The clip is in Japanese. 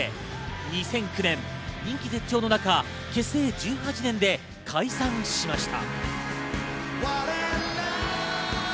２００９年、人気絶頂の中、結成１８年で解散しました。